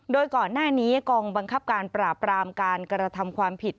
โดยก่อนหน้านี้กองบังคับการปราบรามการกระทำความผิด